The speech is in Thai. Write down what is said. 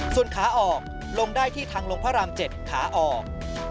ส่วนขาออกลงได้ที่ทางลงพระราม๗ขาออก